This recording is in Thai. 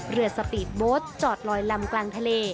เรือสปีดโบ๊ทจอดลอยลำกลางทะเล